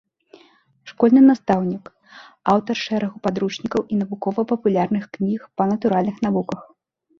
Школьны настаўнік, аўтар шэрагу падручнікаў і навукова-папулярных кніг па натуральных навуках.